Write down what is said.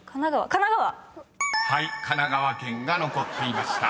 ［「神奈川県」が残っていました］